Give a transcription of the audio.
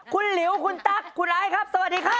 คุณลิวคุณตั๊กครับคุณอายคับสวัสดีครับ